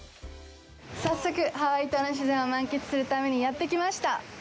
早速、ハワイ島の自然を満喫するためにやってきました。